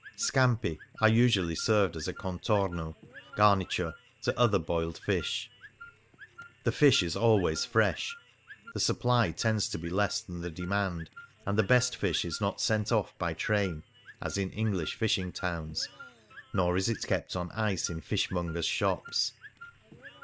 Scampi are usually served as a contoivio (garniture) to other boiled fish. The fish is always fresh; the supply tends to be less than the demand, and the best fish is not sent off by train, as in English fishing towns, nor is it kept on ice in fish mongers' shops.